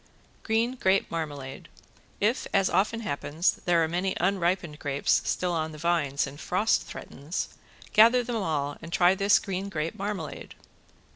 ~GREEN GRAPE MARMALADE~ If, as often happens, there are many unripened grapes still on the vines and frost threatens, gather them all and try this green grape marmalade.